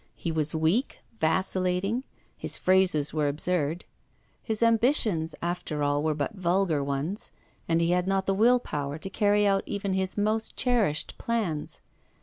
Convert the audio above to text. He was weak, vacillating ; his phrases were absurd. His ambitions, after all, were but vulgar ones, and he had not the will power to carry out even his most cherished plans.